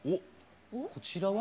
こちらは？